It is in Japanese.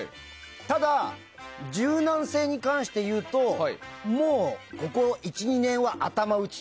ただ、柔軟性に関して言うともう、ここ１２年は頭打ち。